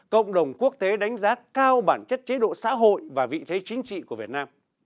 cộng đồng quốc tế đánh giá cao bản chất chế độ xã hội và vị thế chính trị của việt nam